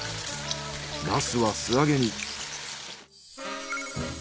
ナスは素揚げに。